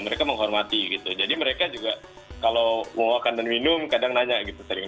mereka menghormati gitu jadi mereka juga kalau mau makan dan minum kadang nanya gitu sering